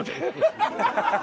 ハハハハ！